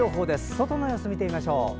外の様子を見てみましょう。